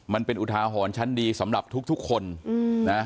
อุทาหรณ์ชั้นดีสำหรับทุกคนนะ